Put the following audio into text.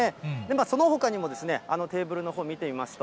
そのほかにも、テーブルのほう見てみますと。